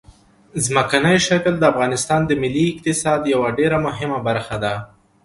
ځمکنی شکل د افغانستان د ملي اقتصاد یوه ډېره مهمه برخه ده.